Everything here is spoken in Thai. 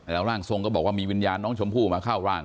แล้วร่างทรงก็บอกว่ามีวิญญาณน้องชมพู่มาเข้าร่าง